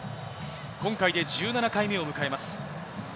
今回で１７回目を迎えます。